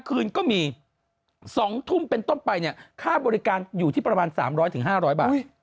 คืนก็มี๒ทุ่มเป็นต้นไปเนี่ยค่าบริการอยู่ที่ประมาณ๓๐๐๕๐๐บาท